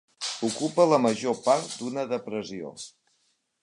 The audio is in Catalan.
Ocupa la major part d'una depressió.